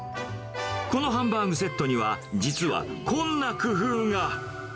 このハンバーグセットには、実はこんな工夫が。